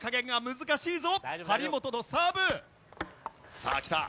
さあきた！